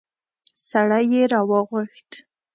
سړی يې راوغوښت.